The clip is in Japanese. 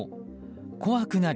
怖くなり